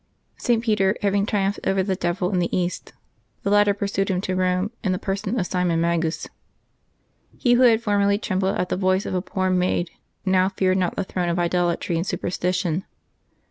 [t. Peter having triumphed over the devil in the East, the latter pursued him to Eome in the person of Simon Magus. He who had formerly trembled at the voice of a poor maid now feared not the very throne of idolatry and superstition.